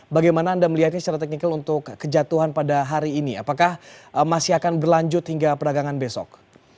bagaimana anda melihatnya secara teknikal untuk kejatuhan pada hari ini apakah masih akan berlanjut hingga perdagangan besok